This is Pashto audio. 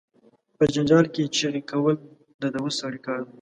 په جنجال کې چغې کول، د دووث سړی کار دي.